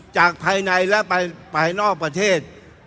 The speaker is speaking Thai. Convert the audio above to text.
จากภายในและไปนอกประเทศ